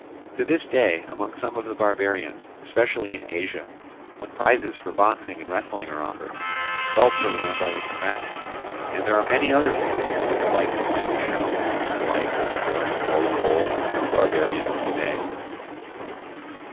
To this day among some of the barbarians, especially in Asia, when prizes for boxing and wrestling are offered, belts are worn by the combatants. And there are many other points in which a likeness might be shown between the life of the Hellenic world of old and the barbarian of to day.